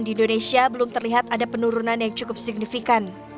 di indonesia belum terlihat ada penurunan yang cukup signifikan